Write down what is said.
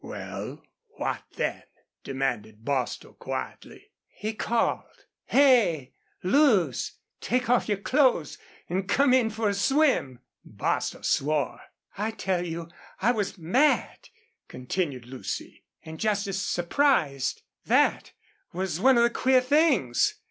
"Well, what then?" demanded Bostil, quietly. "He called, 'Hey, Luce take off your clothes and come in for a swim!'" Bostil swore. "I tell you I was mad," continued Lucy, "and just as surprised. That was one of the queer things.